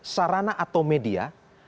sarana atau media